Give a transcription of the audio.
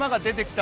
た